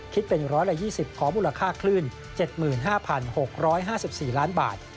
คิดเป็น๑๒๐ของมูลค่าคลื่น๗๕๖๕๔ล้านบาท